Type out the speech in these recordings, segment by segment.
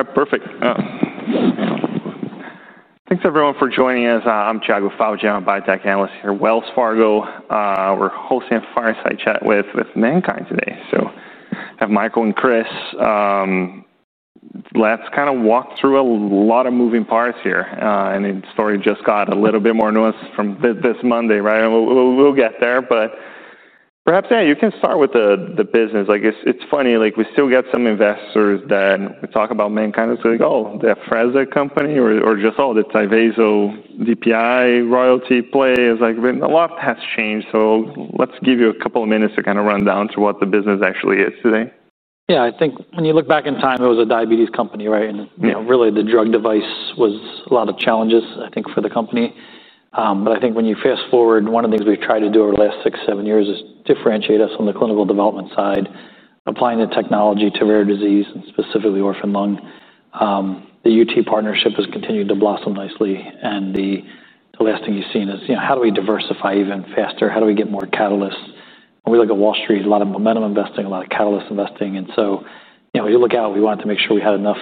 All right, perfect. Thanks, everyone, for joining us. I'm Tiago Fauth, biotech analyst here at Wells Fargo. We're hosting a fireside chat with MannKind today. So I have Michael and Chris. Let's kinda walk through a lot of moving parts here. And the story just got a little bit more nuanced from this Monday, right? We'll get there, but perhaps, yeah, you can start with the business. Like, it's funny, like, we still get some investors that we talk about MannKind, it's like, oh, the Afrezza company or just, oh, the Tyvaso DPI royalty play. It's like, a lot has changed, so let's give you a couple of minutes to kinda run down to what the business actually is today. Yeah, I think when you look back in time, it was a diabetes company, right? Yeah. You know, really, the drug device was a lot of challenges, I think, for the company. But I think when you fast forward, one of the things we've tried to do over the last six, seven years is differentiate us on the clinical development side, applying the technology to rare disease, and specifically orphan lung. The UT partnership has continued to blossom nicely, and the last thing you've seen is, you know, how do we diversify even faster? How do we get more catalysts? When we look at Wall Street, a lot of momentum investing, a lot of catalyst investing, and so, you know, we look out, we wanted to make sure we had enough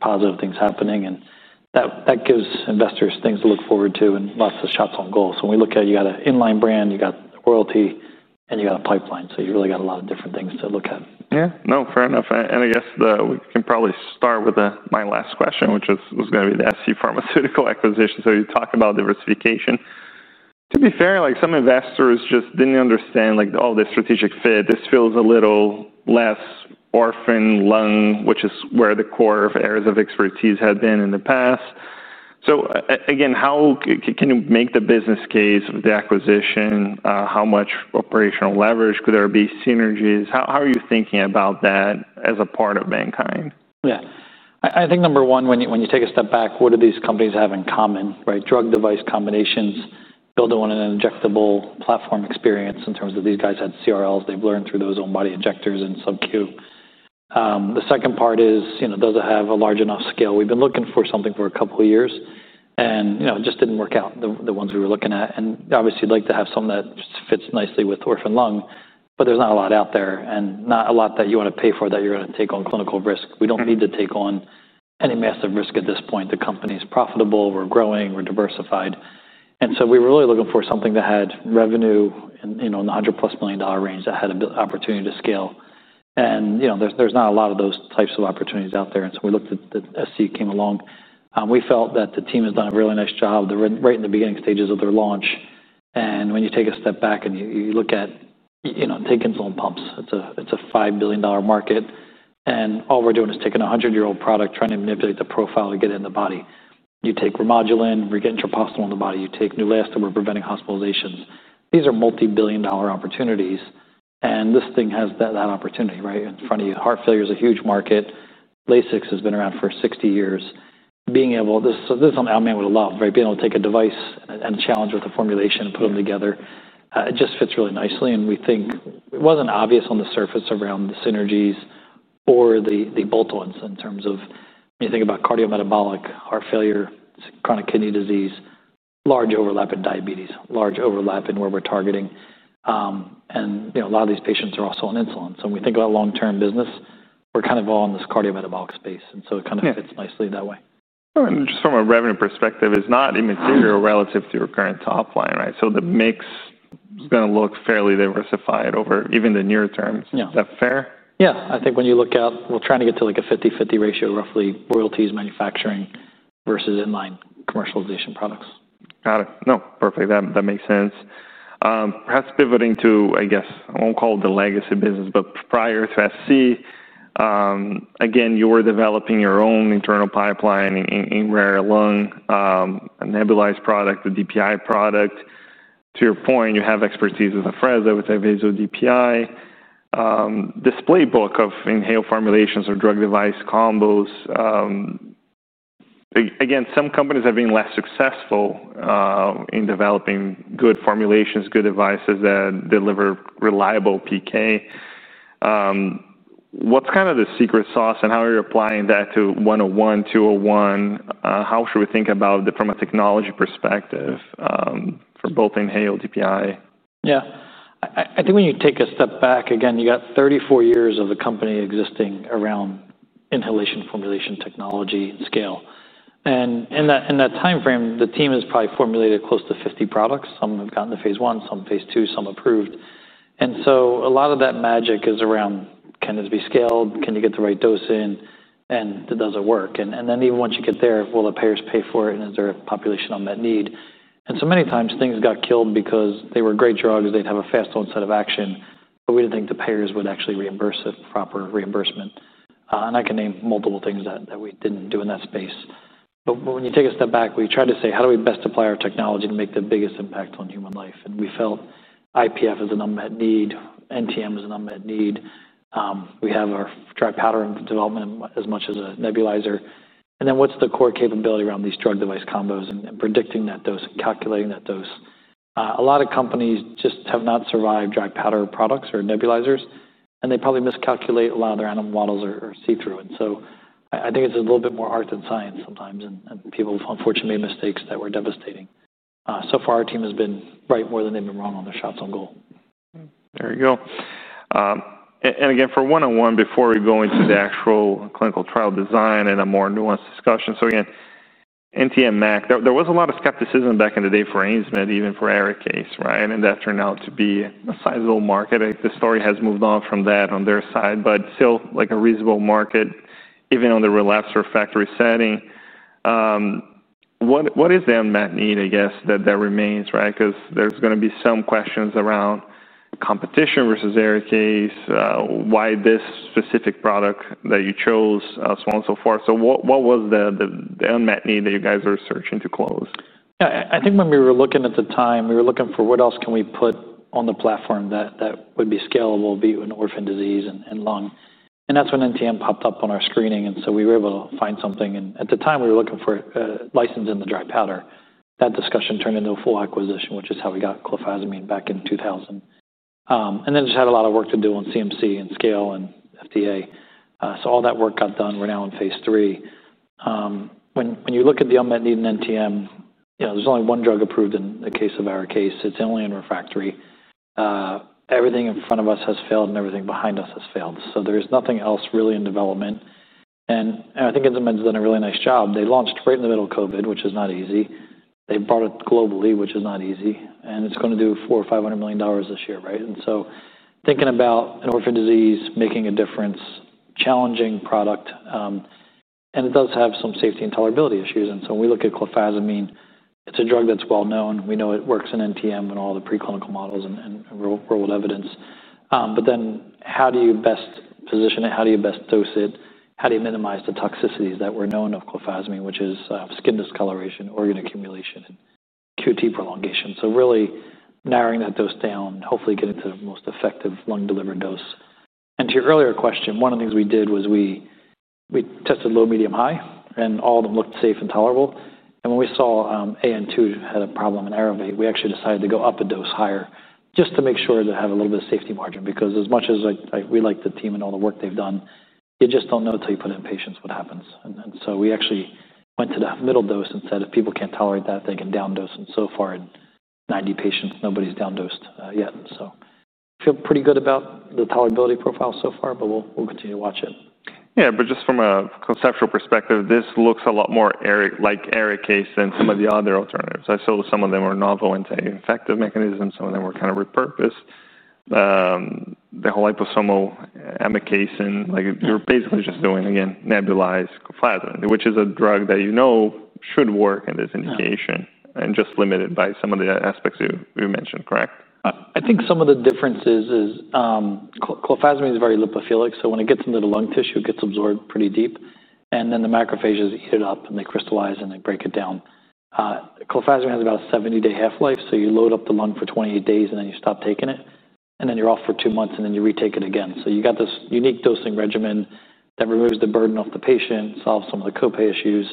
positive things happening, and that gives investors things to look forward to and lots of shots on goal. So when we look at, you got an in-line brand, you got royalty, and you got a pipeline, so you really got a lot of different things to look at. Yeah. No, fair enough. And I guess we can probably start with my last question, which was gonna be the scPharmaceuticals acquisition. So you talk about diversification. To be fair, like, some investors just didn't understand, like, all the strategic fit. This feels a little less orphan lung, which is where the core areas of expertise had been in the past. So again, how can you make the business case with the acquisition? How much operational leverage could there be synergies? How are you thinking about that as a part of MannKind? Yeah. I think number one, when you take a step back, what do these companies have in common, right? Drug device combinations, building on an injectable platform experience in terms of these guys had CRLs, they've learned through those own body injectors and subQ. The second part is, you know, does it have a large enough scale? We've been looking for something for a couple of years, and, you know, it just didn't work out, the ones we were looking at. And obviously, you'd like to have something that just fits nicely with orphan lung, but there's not a lot out there, and not a lot that you wanna pay for, that you're gonna take on clinical risk. We don't need to take on any massive risk at this point. The company is profitable, we're growing, we're diversified. And so we were really looking for something that had revenue in, you know, in a $100+ million range, that had a big opportunity to scale. And, you know, there's not a lot of those types of opportunities out there. And so we looked at the SC came along, we felt that the team has done a really nice job. They're right in the beginning stages of their launch. And when you take a step back and you look at, you know, take insulin pumps, it's a $5 billion market, and all we're doing is taking a hundred-year-old product, trying to manipulate the profile to get it in the body. You take Remodulin, we get treprostinil in the body, you take Neulasta, we're preventing hospitalizations. These are multi-billion-dollar opportunities, and this thing has that opportunity right in front of you. Heart failure is a huge market. Lasix has been around for 60 years. This, so this is something I would love, right? Being able to take a device and challenge with the formulation and put them together. It just fits really nicely, and we think it wasn't obvious on the surface around the synergies or the both ones in terms of when you think about cardiometabolic, heart failure, chronic kidney disease, large overlap in diabetes, large overlap in where we're targeting. And, you know, a lot of these patients are also on insulin. So when we think about long-term business, we're kind of all in this cardiometabolic space, and so it kinda fits nicely that way. And just from a revenue perspective, it's not immaterial relative to your current top line, right? So the mix is gonna look fairly diversified over even the near term. Yeah. Is that fair? Yeah. I think when you look out, we're trying to get to, like, a 50/50 ratio, roughly royalties, manufacturing versus in-line commercialization products. Got it. No, perfect. That makes sense. Perhaps pivoting to, I guess, I won't call it the legacy business, but prior to SC, again, you were developing your own internal pipeline in rare lung, a nebulized product, the DPI product. To your point, you have expertise with Afrezza, with Tyvaso DPI, deep book of inhaled formulations or drug-device combos. Again, some companies have been less successful in developing good formulations, good devices that deliver reliable PK. What's kind of the secret sauce, and how are you applying that to 101, 201? How should we think about it from a technology perspective, for both inhaled DPI? Yeah. I think when you take a step back, again, you got 34 years of the company existing around inhalation formulation, technology, and scale. And in that time frame, the team has probably formulated close to 50 products. Some have gotten to Phase 1, some Phase 2, some approved. And so a lot of that magic is around, can this be scaled? Can you get the right dose in? And does it work? And then even once you get there, will the payers pay for it, and is there a population on that need? And so many times, things got killed because they were great drugs, they'd have a fast onset of action, but we didn't think the payers would actually reimburse the proper reimbursement. And I can name multiple things that we didn't do in that space. But when you take a step back, we try to say: How do we best apply our technology to make the biggest impact on human life? And we felt IPF is an unmet need, NTM is an unmet need. We have our dry powder development as much as a nebulizer. And then what's the core capability around these drug device combos and predicting that dose, calculating that dose? A lot of companies just have not survived dry powder products or nebulizers, and they probably miscalculate. A lot of their animal models are see-through. And so I think it's a little bit more art than science sometimes, and people have unfortunately made mistakes that were devastating. So far, our team has been right more than they've been wrong on their shots on goal. There you go. And again, for 101, before we go into the actual clinical trial design and a more nuanced discussion. So again, NTM MAC, there was a lot of skepticism back in the day for AZD, even for ARIKAYCE, right? And that turned out to be a sizable market. I think the story has moved on from that on their side, but still, like, a reasonable market, even on the relapsed refractory setting. What is the unmet need, I guess, that remains, right? 'Cause there's gonna be some questions around competition versus ARIKAYCE, why this specific product that you chose, so on and so forth. So what was the unmet need that you guys were searching to close? Yeah, I think when we were looking at the time, we were looking for what else can we put on the platform that would be scalable, be it an orphan disease and lung. And that's when NTM popped up on our screening, and so we were able to find something, and at the time, we were looking for a license in the dry powder. That discussion turned into a full acquisition, which is how we got Clofazimine back in 2000. And then just had a lot of work to do on CMC and scale and FDA. So all that work got done. We're now in Phase 3. When you look at the unmet need in NTM, you know, there's only one drug approved in the case of ARIKAYCE. It's only in refractory. Everything in front of us has failed, and everything behind us has failed, so there's nothing else really in development. And I think Insmed's done a really nice job. They launched right in the middle of COVID, which is not easy. They brought it globally, which is not easy, and it's gonna do $400 million-$500 million this year, right? And so thinking about an orphan disease, making a difference, challenging product, and it does have some safety and tolerability issues. And so when we look at Clofazimine, it's a drug that's well known. We know it works in NTM in all the preclinical models and real-world evidence. But then how do you best position it? How do you best dose it? How do you minimize the toxicities that were known of Clofazimine, which is skin discoloration, organ accumulation, and QT prolongation? Really narrowing that dose down, hopefully getting to the most effective lung-delivered dose. And to your earlier question, one of the things we did was we tested low, medium, high, and all of them looked safe and tolerable. And when we saw AN2 had a problem in ARV, we actually decided to go up a dose higher just to make sure to have a little bit of safety margin, because as much as like we like the team and all the work they've done, you just don't know till you put in patients what happens. And so we actually went to the middle dose and said, "If people can't tolerate that, they can down dose." And so far, 90 patients, nobody's down-dosed yet. And so feel pretty good about the tolerability profile so far, but we'll continue to watch it. Yeah, but just from a conceptual perspective, this looks a lot more like ARIKAYCE than some of the other alternatives. I saw some of them were novel anti-infective mechanisms, some of them were kind of repurposed. The whole liposomal amikacin, like, you're basically just doing, again, nebulized Clofazimine, which is a drug that you know should work in this indication and just limited by some of the aspects you mentioned, correct? I think some of the differences is, Clofazimine is very lipophilic, so when it gets into the lung tissue, it gets absorbed pretty deep, and then the macrophages eat it up, and they crystallize, and they break it down. Clofazimine has about a seventy-day half-life, so you load up the lung for twenty-eight days, and then you stop taking it, and then you're off for two months, and then you retake it again. So you got this unique dosing regimen that removes the burden off the patient, solves some of the copay issues,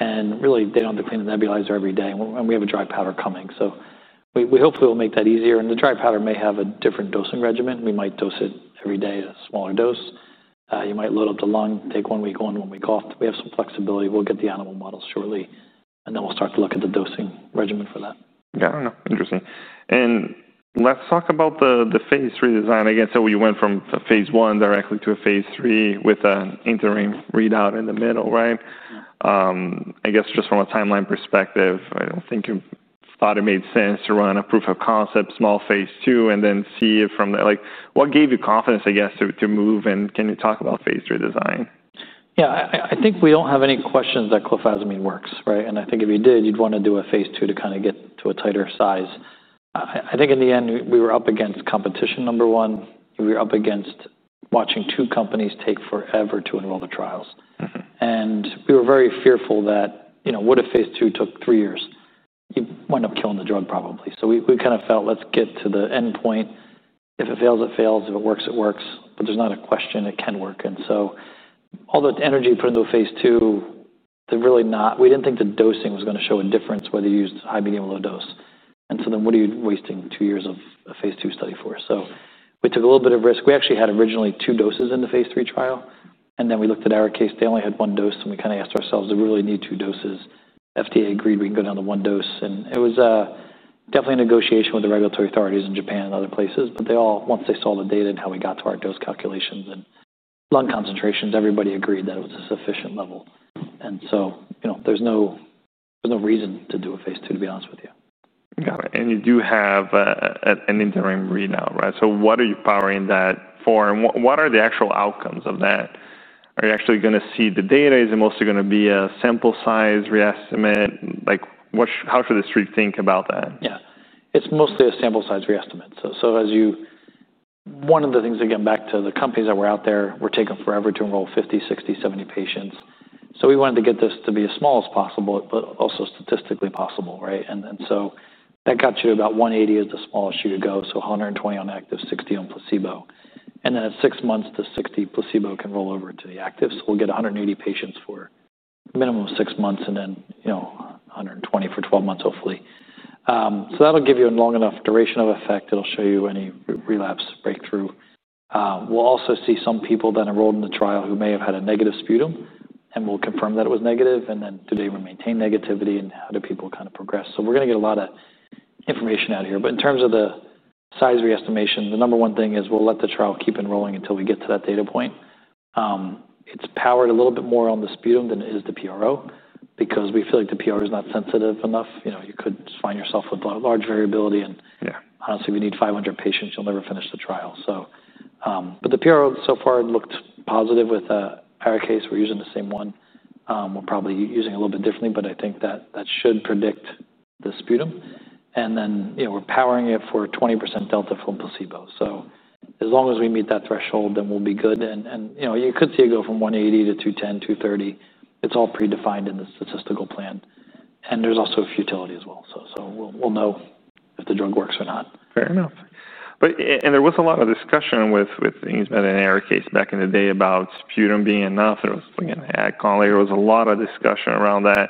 and really, they don't have to clean the nebulizer every day, and we have a dry powder coming. So we hopefully will make that easier, and the dry powder may have a different dosing regimen. We might dose it every day, a smaller dose. You might load up the lung, take one week on, one week off. We have some flexibility. We'll get the animal models shortly, and then we'll start to look at the dosing regimen for that. Yeah, no, interesting. And let's talk about the Phase 3 design again. So you went from a Phase 1 directly to a Phase 3 with an interim readout in the middle, right? I guess just from a timeline perspective, I don't think you thought it made sense to run a proof of concept, small Phase 2, and then see it from there. Like, what gave you confidence, I guess, to move, and can you talk about Phase 3 design? Yeah, I think we don't have any questions that Clofazimine works, right? And I think if you did, you'd wanna do a Phase 2 to kind of get to a tighter size. I think in the end, we were up against competition, number one. We were up against watching two companies take forever to enroll the trials. Mm-hmm. We were very fearful that, you know, what if Phase 2 took three years? You wind up killing the drug, probably. So we kind of felt, let's get to the endpoint. If it fails, it fails. If it works, it works. But there's no question it can work, and so all the energy put into a Phase 2, to really not. We didn't think the dosing was gonna show a difference whether you used high, medium, or low dose. So then, what are you wasting two years of a Phase 2 study for? We took a little bit of risk. We actually had originally two doses in the Phase 3 trial, and then we looked at ARIKAYCE. They only had one dose, and we kinda asked ourselves, "Do we really need two doses?" FDA agreed we can go down to one dose, and it was definitely a negotiation with the regulatory authorities in Japan and other places, but they all, once they saw the data and how we got to our dose calculations and lung concentrations, everybody agreed that it was a sufficient level. And so, you know, there's no, there's no reason to do a Phase 2, to be honest with you. Got it, and you do have an interim readout, right? So what are you powering that for, and what are the actual outcomes of that? Are you actually gonna see the data? Is it mostly gonna be a sample size re-estimate? Like, what should- how should the street think about that? Yeah. It's mostly a sample size re-estimate. So as you... One of the things, again, back to the companies that were out there, were taking forever to enroll 50, 60, 70 patients. So we wanted to get this to be as small as possible, but also statistically possible, right? And then, so that got you to about 180 as the smallest you could go, so 120 on active, 60 on placebo. And then at six months, the 60 placebo can roll over to the active. So we'll get 180 patients for minimum of six months, and then, you know, 120 for 12 months, hopefully. So that'll give you a long enough duration of effect. It'll show you any re- relapse breakthrough. We'll also see some people that enrolled in the trial who may have had a negative sputum, and we'll confirm that it was negative, and then do they maintain negativity and how do people kind of progress, so we're gonna get a lot of information out of here, but in terms of the size reestimation, the number one thing is we'll let the trial keep enrolling until we get to that data point. It's powered a little bit more on the sputum than it is the PRO, because we feel like the PRO is not sensitive enough. You know, you could just find yourself with a large variability, and. Yeah. Honestly, we need 500 patients. You'll never finish the trial, so but the PRO so far looked positive with ARIKAYCE. We're using the same one. We're probably using a little bit differently, but I think that that should predict the sputum, and then, you know, we're powering it for a 20% delta from placebo. So as long as we meet that threshold, then we'll be good, and you know, you could see it go from 180 to 210, 230. It's all predefined in the statistical plan, and there's also a futility as well. So we'll know if the drug works or not. Fair enough. But and there was a lot of discussion with things about ARIKAYCE back in the day about sputum being enough. There was, again, a colleague, there was a lot of discussion around that.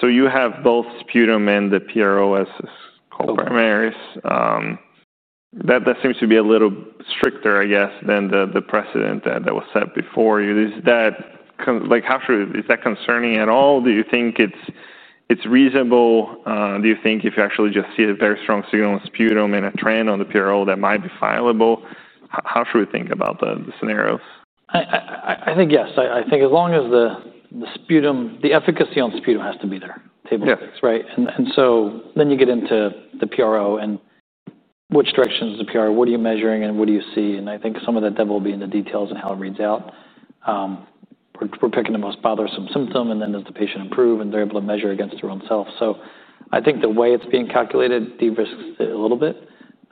So you have both sputum and the PRO as co-primaries. That seems to be a little stricter, I guess, than the precedent that was set before you. Is that concerning at all? Like, how true is that? Do you think it's reasonable? Do you think if you actually just see a very strong signal in sputum and a trend on the PRO, that might be filable? How should we think about the scenarios? I think, yes. I think as long as the sputum, the efficacy on sputum has to be there. Yeah. Table stakes, right? And so then you get into the PRO and which directions is the PRO, what are you measuring and what do you see? And I think some of that will be in the details and how it reads out. We're picking the most bothersome symptom, and then does the patient improve, and they're able to measure against their own self, so I think the way it's being calculated de-risks it a little bit,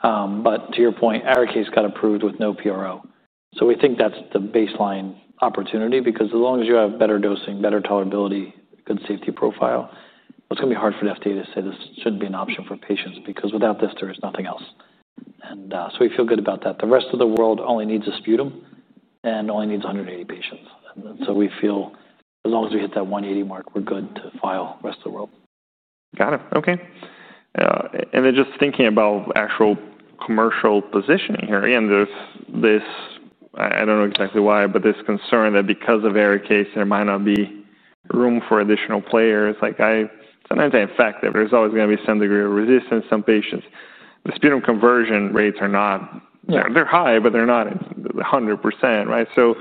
but to your point, ARIKAYCE got approved with no PRO, so we think that's the baseline opportunity, because as long as you have better dosing, better tolerability, good safety profile, it's gonna be hard for the FDA to say this shouldn't be an option for patients, because without this, there is nothing else, and so we feel good about that. The rest of the world only needs a sputum and only needs a hundred and eighty patients. And so we feel as long as we hit that 180 mark, we're good to file the rest of the world. Got it. Okay. And then just thinking about actual commercial positioning here, and there's this, I, I don't know exactly why, but this concern that because of ARIKAYCE, there might not be room for additional players. Like, sometimes I infer that there's always gonna be some degree of resistance in some patients. The sputum conversion rates are not. Yeah. They're high, but they're not 100%, right? So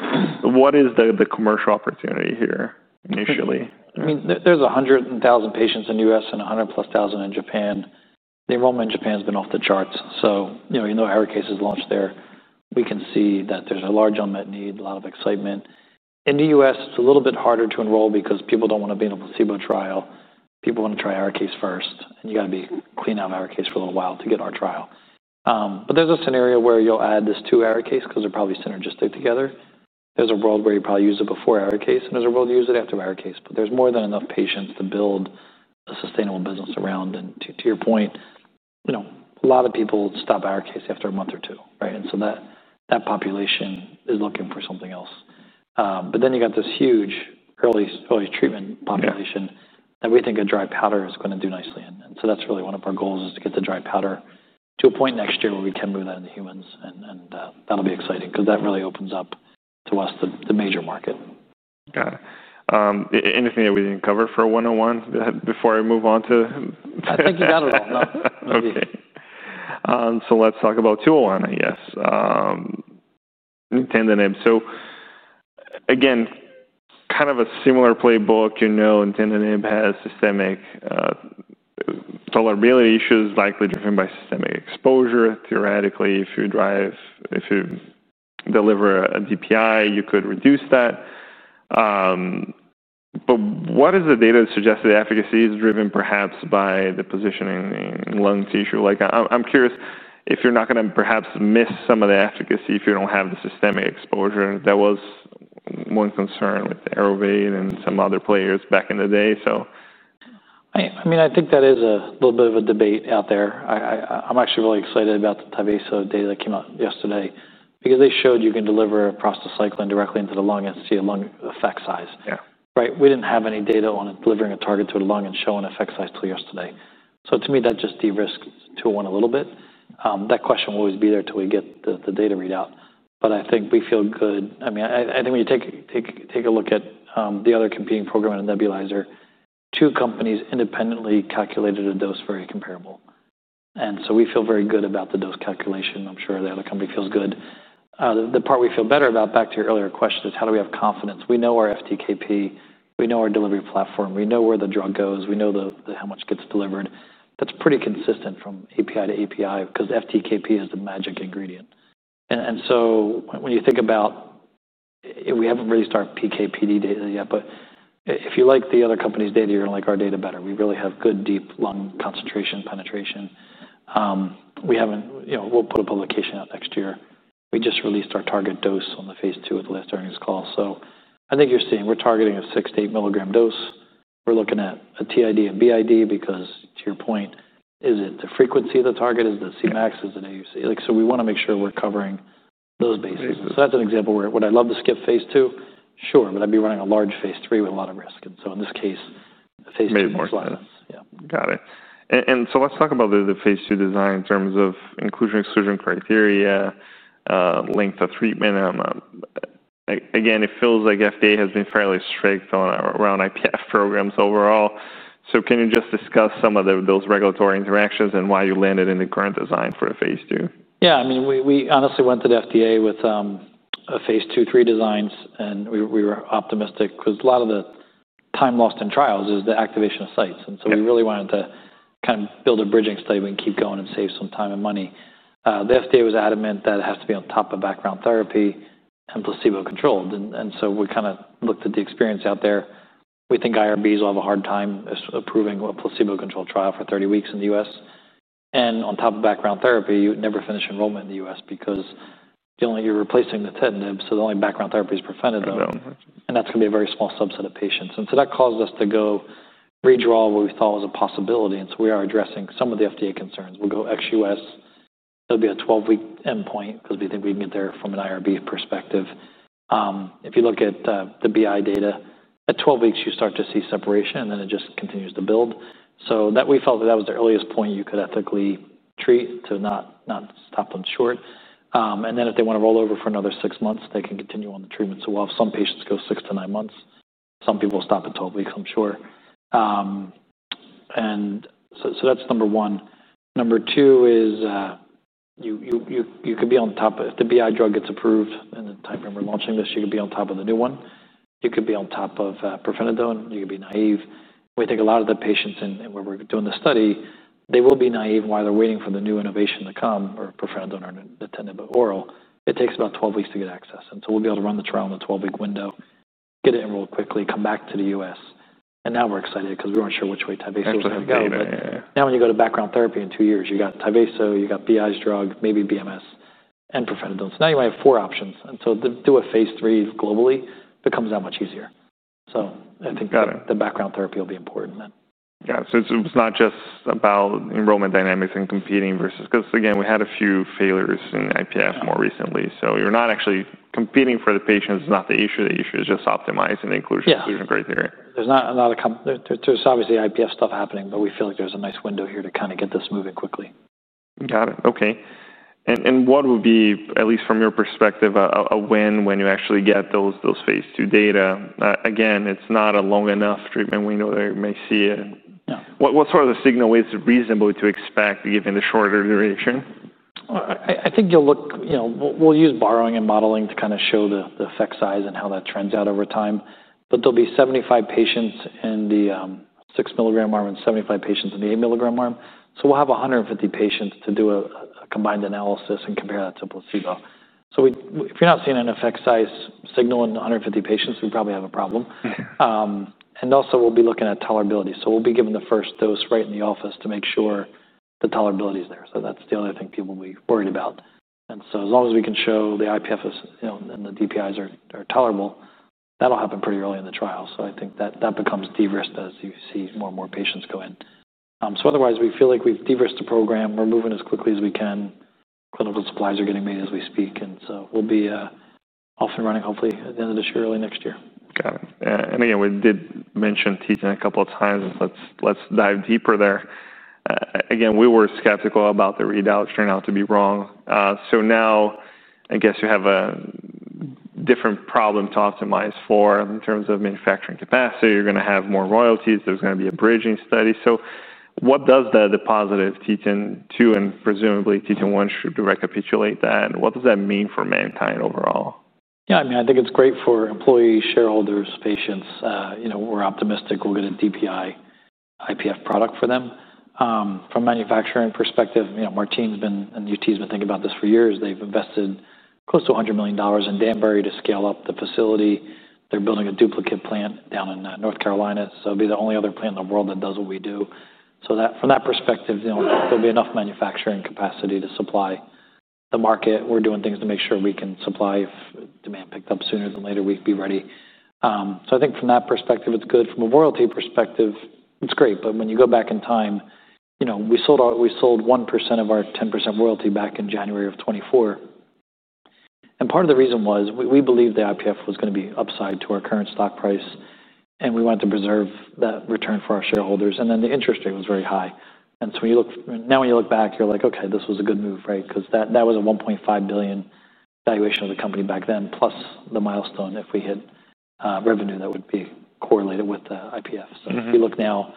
what is the, the commercial opportunity here initially? I mean, there, there's a hundred thousand patients in the U.S. and a hundred plus thousand in Japan. The enrollment in Japan has been off the charts, so you know, even though ARIKAYCE is launched there, we can see that there's a large unmet need, a lot of excitement. In the U.S., it's a little bit harder to enroll because people don't want to be in a placebo trial. People want to try ARIKAYCE first, and you gotta be clean out of ARIKAYCE for a little while to get our trial. But there's a scenario where you'll add this to ARIKAYCE because they're probably synergistic together. There's a world where you probably use it before ARIKAYCE, and there's a world you use it after ARIKAYCE, but there's more than enough patients to build a sustainable business around. And to your point, you know, a lot of people stop ARIKAYCE after a month or two, right? And so that population is looking for something else. But then you got this huge early treatment population. Yeah That we think a dry powder is gonna do nicely. And so that's really one of our goals, is to get the dry powder to a point next year where we can move that into humans, and that'll be exciting because that really opens up to us, the major market. Got it. Anything that we didn't cover for one oh one before I move on to? I think you got it all. No. Okay. So let's talk about 201, I guess. Nintedanib. So again, kind of a similar playbook. You know, nintedanib has systemic tolerability issues, likely driven by systemic exposure. Theoretically, if you deliver a DPI, you could reduce that. But what is the data that suggests the efficacy is driven perhaps by the positioning in lung tissue? Like, I'm curious if you're not gonna perhaps miss some of the efficacy if you don't have the systemic exposure. That was one concern with Aerovate and some other players back in the day, so. I mean, I think that is a little bit of a debate out there. I'm actually really excited about the Tyvaso data that came out yesterday because they showed you can deliver a prostacyclin directly into the lung and see a lung effect size. Yeah. Right. We didn't have any data on delivering a target to the lung and showing effect size till yesterday. So to me, that just de-risks 201 a little bit. That question will always be there till we get the data readout, but I think we feel good. I mean, I think when you take a look at the other competing program on a nebulizer, two companies independently calculated a dose very comparable, and so we feel very good about the dose calculation. I'm sure the other company feels good. The part we feel better about, back to your earlier question, is how do we have confidence? We know our FDKP, we know our delivery platform, we know where the drug goes, we know how much gets delivered. That's pretty consistent from API to API because FDKP is the magic ingredient. And so when you think about... We haven't really started PK/PD data yet, but if you like the other company's data, you're gonna like our data better. We really have good, deep lung concentration, penetration. You know, we'll put a publication out next year. We just released our target dose on the Phase 2 at last earnings call. So I think you're seeing we're targeting a six to eight milligram dose. We're looking at a TID and BID because, to your point, is it the frequency of the target? Is the Cmax? Is the AUC? Like, so we wanna make sure we're covering those bases. Basis. So that's an example where I would love to skip Phase 2. Sure, but I'd be running a large Phase 3 with a lot of risk. And so in this case, Phase 2 makes more sense. Yeah. Got it. And so let's talk about the Phase 2 design in terms of inclusion, exclusion criteria, length of treatment. Again, it feels like FDA has been fairly strict around IPF programs overall. So can you just discuss some of those regulatory interactions and why you landed in the current design for the Phase 2? Yeah. I mean, we honestly went to the FDA with a Phase 2, three designs, and we were optimistic 'cause a lot of the time lost in trials is the activation of sites. Yeah. And so we really wanted to kind of build a bridging study, we can keep going and save some time and money. The FDA was adamant that it has to be on top of background therapy and placebo-controlled. And so we kinda looked at the experience out there. We think IRBs will have a hard time approving a placebo-controlled trial for 30 weeks in the US. And on top of background therapy, you would never finish enrollment in the US because you're only replacing the nintedanib, so the only background therapy is pirfenidone. Good. And that's gonna be a very small subset of patients. And so that caused us to go redraw what we thought was a possibility, and so we are addressing some of the FDA concerns. We'll go ex-U.S.. It'll be a 12-week endpoint 'cause we think we can get there from an IRB perspective. If you look at the BI data, at 12 weeks, you start to see separation, and then it just continues to build. So that we felt that that was the earliest point you could ethically treat to not stop them short. And then if they wanna roll over for another six months, they can continue on the treatment. So while some patients go six to nine months, some people will stop at 12 weeks, I'm sure. And so, so that's number one. Number 2 is you could be on top. If the BI drug gets approved in the time frame we're launching this, you could be on top of the new one. You could be on top of pirfenidone. You could be naive. We think a lot of the patients in where we're doing the study, they will be naive while they're waiting for the new innovation to come, or pirfenidone or the nintedanib oral. It takes about 12 weeks to get access, and so we'll be able to run the trial in the 12-week window, get it enrolled quickly, come back to the U.S. And now we're excited 'cause we weren't sure which way Tyvaso was going to go. Yeah, yeah, yeah. Now, when you go to background therapy in two years, you got Tyvaso, you got BI's drug, maybe BMS and Pirfenidone. So now you might have four options. And so to do a Phase 3 globally, it comes out much easier. So. Got it I think the background therapy will be important then. Yeah. So it's, it's not just about enrollment dynamics and competing versus... 'Cause again, we had a few failures in IPF more recently. Yeah. So you're not actually competing for the patients, it's not the issue. The issue is just optimizing inclusion exclusion criteria. There's obviously IPF stuff happening, but we feel like there's a nice window here to kinda get this moving quickly. Got it. Okay, and what would be, at least from your perspective, a win when you actually get those Phase 2 data? Again, it's not a long enough treatment window. They may see it. Yeah. What sort of signal is reasonable to expect, given the shorter duration? I think you'll look. You know, we'll use borrowing and modeling to kinda show the effect size and how that trends out over time. But there'll be 75 patients in the six mg arm and 75 patients in the eight mg arm. So we'll have 150 patients to do a combined analysis and compare that to placebo. So if you're not seeing an effect size signal in 150 patients, we probably have a problem. And also, we'll be looking at tolerability. So we'll be giving the first dose right in the office to make sure the tolerability is there. So that's the only thing people will be worried about. And so as long as we can show the IPF is, you know, and the DPIs are tolerable, that'll happen pretty early in the trial. I think that becomes de-risked as you see more and more patients go in. Otherwise, we feel like we've de-risked the program. We're moving as quickly as we can. Clinical supplies are getting made as we speak, and so we'll be off and running hopefully at the end of this year, early next year. Got it. And, and, you know, we did mention nintedanib a couple of times. Let's, let's dive deeper there. Again, we were skeptical about the readout, turned out to be wrong, so now, I guess you have a different problem to optimize for in terms of manufacturing capacity. You're gonna have more royalties. There's gonna be a bridging study, so what does the positive nintedanib-2, and presumably, nintedanib-1, should recapitulate that, and what does that mean for MannKind overall? Yeah, I mean, I think it's great for employee, shareholders, patients. You know, we're optimistic we'll get a DPI IPF product for them. From a manufacturing perspective, you know, MannKind's been, and UT's been thinking about this for years. They've invested close to $100 million in Danbury to scale up the facility. They're building a duplicate plant down in North Carolina, so it'll be the only other plant in the world that does what we do. So that, from that perspective, you know, there'll be enough manufacturing capacity to supply the market. We're doing things to make sure we can supply. If demand picks up sooner than later, we'd be ready. So I think from that perspective, it's good. From a royalty perspective, it's great, but when you go back in time, you know, we sold 1% of our 10% royalty back in January of 2024. Part of the reason was we believed the IPF was gonna be upside to our current stock price, and we wanted to preserve that return for our shareholders, and then the interest rate was very high. So when you look back, you're like, "Okay, this was a good move," right? Because that was a $1.5 billion valuation of the company back then, plus the milestone if we hit revenue that would be correlated with the IPF. Mm-hmm. If you look now,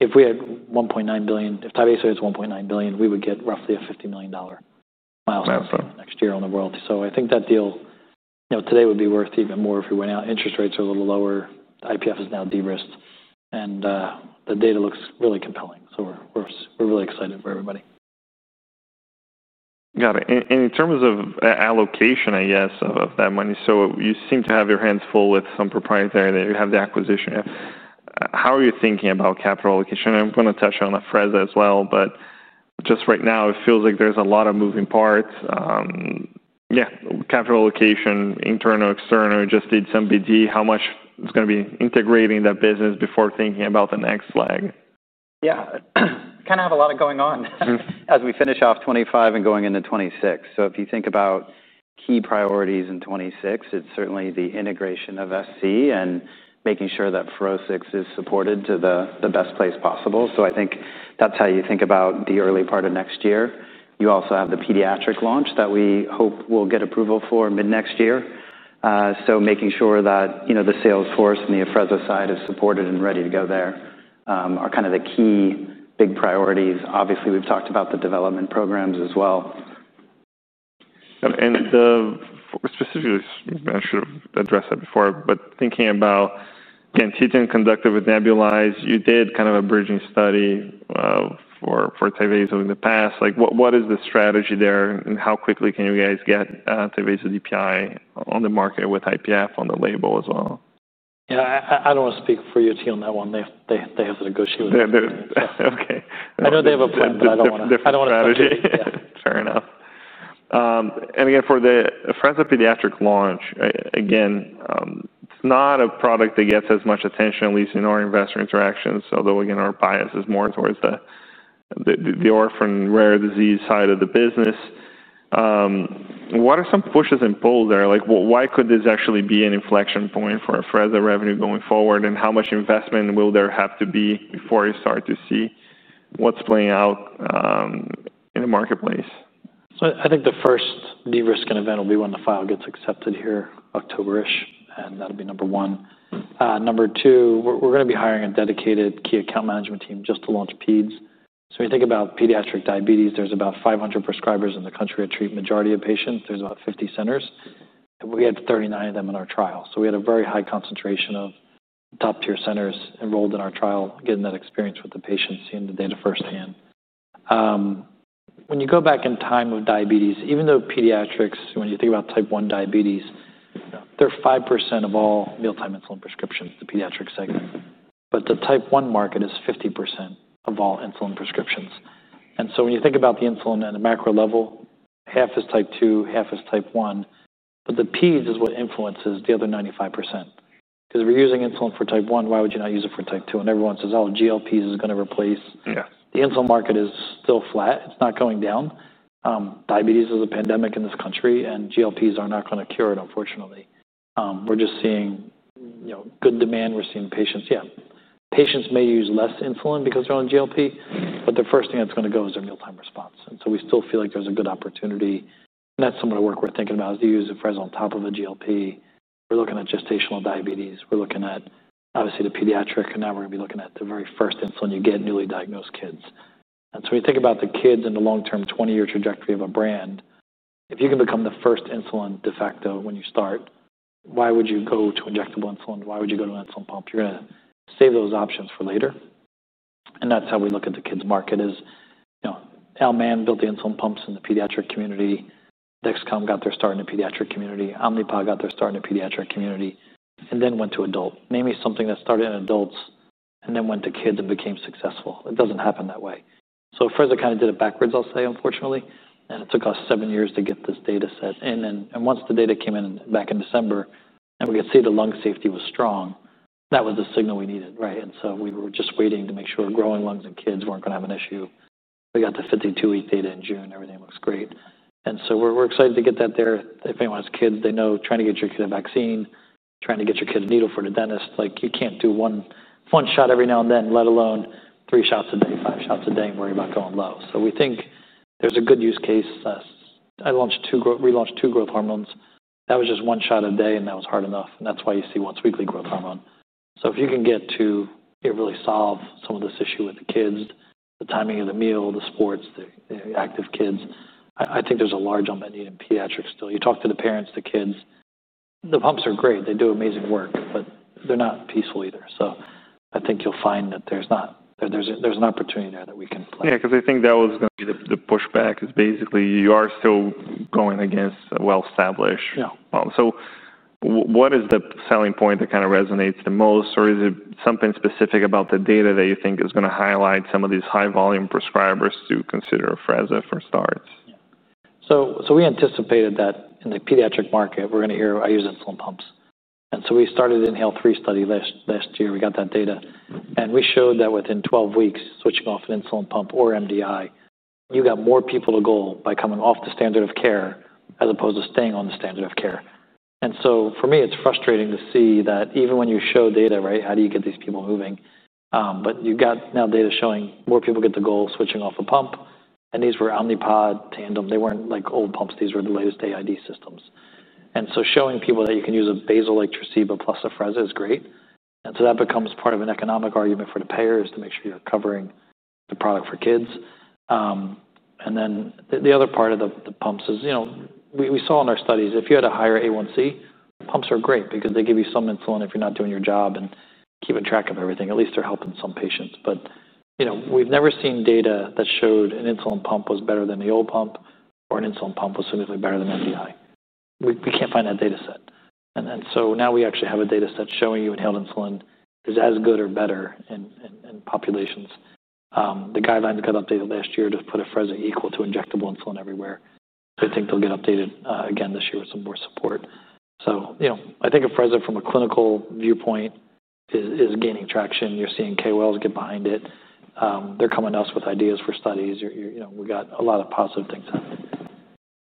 if we had 1.9 billion, if Tyvaso is 1.9 billion, we would get roughly a $50 million milestone. Milestone Next year on the royalty. So I think that deal, you know, today, would be worth even more if we went out. Interest rates are a little lower, IPF is now de-risked, and the data looks really compelling, so we're really excited for everybody. Got it. In terms of allocation, I guess, of that money, so you seem to have your hands full with some proprietary, that you have the acquisition. How are you thinking about capital allocation? I'm gonna touch on Afrezza as well, but just right now, it feels like there's a lot of moving parts. Yeah, capital allocation, internal, external, just did some BD. How much is gonna be integrating that business before thinking about the next flag? Yeah, kind of have a lot of going on as we finish off 2025 and going into 2026. So if you think about key priorities in 2026, it's certainly the integration of SC and making sure that FUROSCIX is supported to the best place possible. So I think that's how you think about the early part of next year. You also have the pediatric launch that we hope will get approval for mid-next year. So making sure that, you know, the sales force and the Afrezza side is supported and ready to go there are kind of the key big priorities. Obviously, we've talked about the development programs as well. And then specifically, I should have addressed that before, but thinking about nintedanib conducted with nebulizer, you did kind of a bridging study for Tyvaso in the past. Like, what is the strategy there, and how quickly can you guys get Tyvaso DPI on the market with IPF on the label as well? Yeah, I don't want to speak for UT on that one. They have to negotiate with them. Okay. I know they have a plan, but I don't wanna- Different strategy. I don't wanna speculate. Yeah. Fair enough. And again, for the Afrezza pediatric launch, again, it's not a product that gets as much attention, at least in our investor interactions, although, again, our bias is more towards the orphan rare disease side of the business. What are some pushes and pulls there? Like, why could this actually be an inflection point for Afrezza revenue going forward? And how much investment will there have to be before you start to see what's playing out in the marketplace? I think the first de-risking event will be when the file gets accepted here, October-ish, and that'll be number one. Number two, we're gonna be hiring a dedicated key account management team just to launch peds. When you think about pediatric diabetes, there's about 500 prescribers in the country that treat majority of patients. There's about 50 centers, and we had 39 of them in our trial. So we had a very high concentration of top-tier centers enrolled in our trial, getting that experience with the patients, seeing the data firsthand. When you go back in time with diabetes, even though pediatrics, when you think about type one diabetes, they're 5% of all mealtime insulin prescriptions, the pediatric segment. But the type one market is 50% of all insulin prescriptions. So when you think about the insulin at a macro level, half is type two, half is type one, but the peds is what influences the other 95%. Because if you're using insulin for type one, why would you not use it for type two? And everyone says, "Oh, GLPs is gonna replace the insulin market is still flat. It's not going down. Diabetes is a pandemic in this country, and GLPs are not gonna cure it, unfortunately. We're just seeing, you know, good demand. We're seeing patients, yeah. Patients may use less insulin because they're on GLP, but the first thing that's gonna go is their mealtime response. And so we still feel like there's a good opportunity. That's some of the work we're thinking about, is to use Afrezza on top of a GLP. We're looking at gestational diabetes. We're looking at, obviously, the pediatric, and now we're gonna be looking at the very first insulin you get, newly diagnosed kids. And so when you think about the kids in the long-term, twenty-year trajectory of a brand, if you can become the first insulin de facto when you start, why would you go to injectable insulin? Why would you go to an insulin pump? You're gonna save those options for later. That's how we look at the kids market. You know, Al Mann built the insulin pumps in the pediatric community. Dexcom got their start in the pediatric community. Omnipod got their start in the pediatric community and then went to adult. Name me something that started in adults and then went to kids and became successful. It doesn't happen that way. Afrezza kind of did it backwards, I'll say, unfortunately, and it took us seven years to get this data set in. Once the data came in back in December, and we could see the lung safety was strong, that was the signal we needed, right? We were just waiting to make sure growing lungs and kids weren't gonna have an issue. We got the fifty-two-week data in June; everything looks great, and so we're excited to get that there. If anyone has kids, they know, trying to get your kid a vaccine, trying to get your kid a needle for the dentist, like, you can't do one shot every now and then, let alone three shots a day, five shots a day, and worry about going low. So we think there's a good use case. I relaunched two growth hormones. That was just one shot a day, and that was hard enough, and that's why you see once-weekly growth hormone. So if you can get to it, it really solve some of this issue with the kids, the timing of the meal, the sports, the active kids; I think there's a large unmet need in pediatrics still. You talk to the parents, the kids, the pumps are great. They do amazing work, but they're not peaceful either. So I think you'll find that there's an opportunity there that we can play. Yeah, because I think that was gonna be the pushback, is basically, you are still going against a well-established. Yeah. So, what is the selling point that kind of resonates the most, or is it something specific about the data that you think is gonna highlight some of these high-volume prescribers to consider Afrezza for starts? We anticipated that in the pediatric market, we're gonna hear, "I use insulin pumps." And so we started INHALE-3 study last year. We got that data, and we showed that within 12 weeks, switching off an insulin pump or MDI, you got more people to goal by coming off the standard of care, as opposed to staying on the standard of care. And so for me, it's frustrating to see that even when you show data, right, how do you get these people moving? But you've got now data showing more people get the goal switching off a pump, and these were Omnipod, Tandem. They weren't like old pumps. These were the latest AID systems. And so showing people that you can use a basal like Tresiba plus Afrezza is great. And so that becomes part of an economic argument for the payers to make sure you're covering the product for kids. And then the other part of the pumps is, you know, we saw in our studies, if you had a higher A1C, pumps are great because they give you some insulin if you're not doing your job and keeping track of everything, at least they're helping some patients. But, you know, we've never seen data that showed an insulin pump was better than the old pump or an insulin pump was significantly better than MDI. We can't find that data set. And then, so now we actually have a data set showing you inhaled insulin is as good or better in populations. The guidelines that got updated last year just put Afrezza equal to injectable insulin everywhere. I think they'll get updated again this year with some more support. You know, I think Afrezza from a clinical viewpoint is gaining traction. You're seeing KOLs get behind it. They're coming to us with ideas for studies. You know, we got a lot of positive things happening.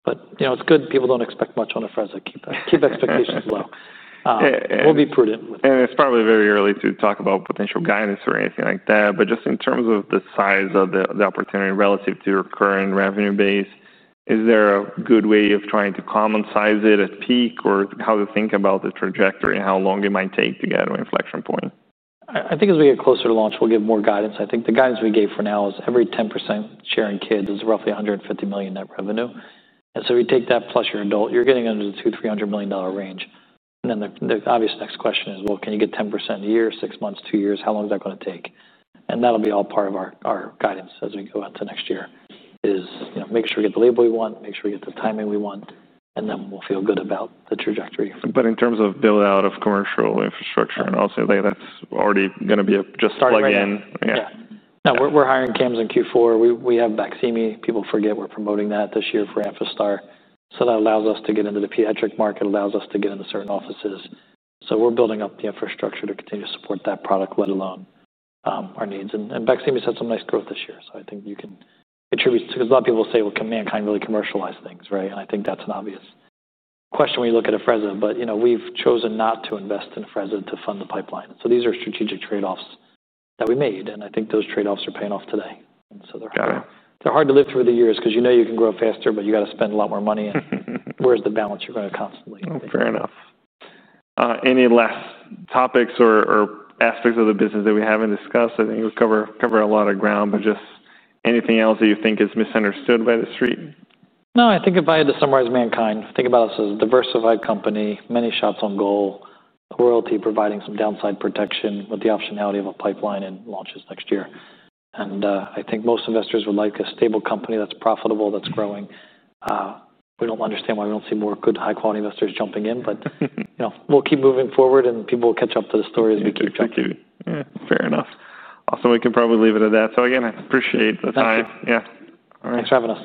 But, you know, it's good. People don't expect much on Afrezza. Keep expectations low. We'll be prudent with it. It's probably very early to talk about potential guidance or anything like that, but just in terms of the size of the opportunity relative to your current revenue base, is there a good way of trying to common size it at peak? Or how to think about the trajectory and how long it might take to get an inflection point? I think as we get closer to launch, we'll give more guidance. I think the guidance we gave for now is every 10% share in kids is roughly $150 million net revenue. And so we take that, plus your adult, you're getting into the $200-$300 million range. And then the obvious next question is, well, can you get 10% a year, six months, two years? How long is that gonna take? And that'll be all part of our guidance as we go out to next year, you know, make sure we get the label we want, make sure we get the timing we want, and then we'll feel good about the trajectory. But in terms of build-out of commercial infrastructure and also, I think that's already gonna be just a plug-in. Yeah. Yeah. No, we're hiring KAMs in Q4. We have BAQSIMI. People forget we're promoting that this year for Amphastar, so that allows us to get into the pediatric market, allows us to get into certain offices. So we're building up the infrastructure to continue to support that product, let alone our needs. And BAQSIMI's had some nice growth this year, so I think you can attribute because a lot of people say, "Well, can MannKind really commercialize things, right?" I think that's an obvious question when you look at Afrezza. But, you know, we've chosen not to invest in Afrezza to fund the pipeline. So these are strategic trade-offs that we made, and I think those trade-offs are paying off today. And so they're. Got it. They're hard to live through the years 'cause you know you can grow faster, but you gotta spend a lot more money, and where's the balance you're gonna constantly? Fair enough. Any last topics or aspects of the business that we haven't discussed? I think we've covered a lot of ground, but just anything else that you think is misunderstood by the street? No, I think if I had to summarize MannKind, think about us as a diversified company, many shots on goal, royalty providing some downside protection with the optionality of a pipeline and launches next year. And I think most investors would like a stable company that's profitable, that's growing. We don't understand why we don't see more good, high-quality investors jumping in, but you know, we'll keep moving forward, and people will catch up to the story as we track it. Thank you. Yeah, fair enough. Also, we can probably leave it at that. So again, I appreciate the time. Thank you. Yeah. All right. Thanks for having us.